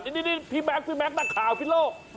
นี่พี่แม็กพี่แม็กซนักข่าวพี่โลก